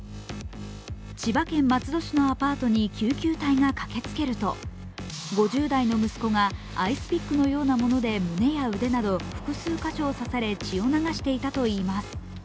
千葉県松戸市のアパートに救急隊が駆けつけると５０代の息子がアイスピックのようなもので胸や腕など複数箇所を刺され血を流していたといいます。